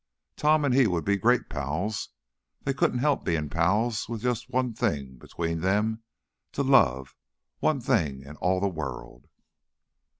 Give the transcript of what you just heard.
Tom and he would be great pals. They couldn't help being pals with just one thing, between them, to love; one thing in all the world!